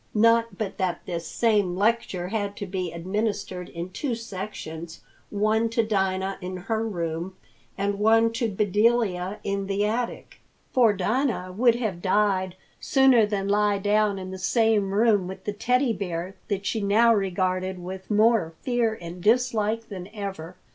Not but that this same lecture had to be administered in two sections, one to Dinah in her room and one to Bedelia in the attic, for Dinah would have died sooner than lie down in the same room with the Teddy Bear that she now regarded with more fear and dislike than ever.